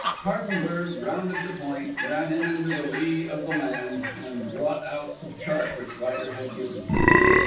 Hardenberg rounded the point, ran in under the lee of the land and brought out the chart which Ryder had given him.